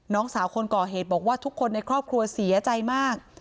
น้องสาวคนก่อเหตุบอกว่าทุกคนในครอบครัวเสียใจมาก